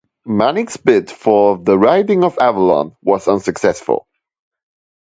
Manning's bid for the riding of Avalon was unsuccessful.